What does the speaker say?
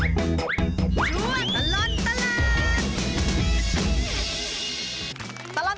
ช่วงตลอดตลาด